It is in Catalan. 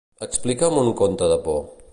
Explica'm un conte de por.